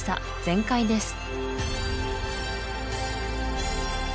全開です